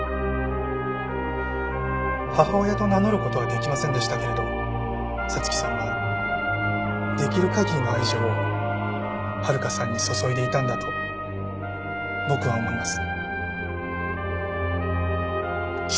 母親と名乗る事はできませんでしたけれど彩月さんはできる限りの愛情を温香さんに注いでいたんだと僕は思います。